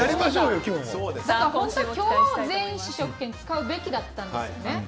本当は今日、全員試食券を使うべきだったんですよね。